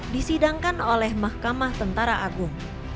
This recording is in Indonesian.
disidangkan oleh mahkamah tentara agung